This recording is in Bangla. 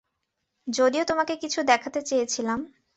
যদিও, তোমাকে কিছু দেখাতে চেয়েছিলাম।